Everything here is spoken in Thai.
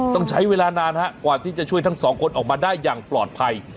ต้องใช้เวลานานฮะกว่าที่จะช่วยทั้งสองคนออกมาได้อย่างปลอดภัย